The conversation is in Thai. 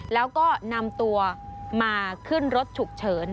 แล้วก็นำตัวมาขึ้นรถฉุกเฉิน